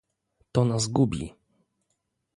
"To nas gubi!..."